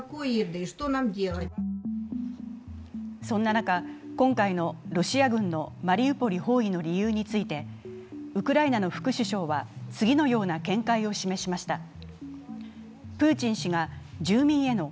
そんな中、今回のロシア軍のマリウポリ包囲の理由についてウクライナの副首相は次のような見解を示しました。